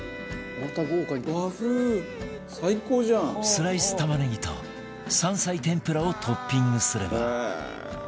スライス玉ねぎと山菜天ぷらをトッピングすれば